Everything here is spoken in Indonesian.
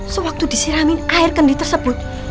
sewaktu disiramin air kendi tersebut